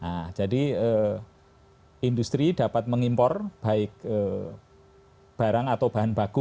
nah jadi industri dapat mengimpor baik barang atau bahan baku